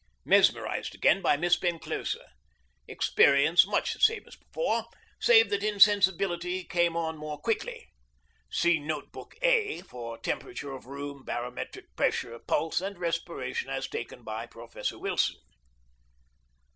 Mesmerized again by Miss Penclosa. Experience much the same as before, save that insensibility came on more quickly. See Note book A for temperature of room, barometric pressure, pulse, and respiration as taken by Professor Wilson.